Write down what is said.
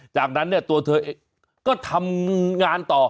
จากนั้นเนี่ยตัวเธอเองก็ทำงานต่อ